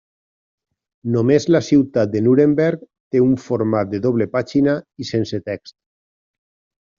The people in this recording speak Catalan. Només la ciutat de Nuremberg té un format de doble pàgina i sense text.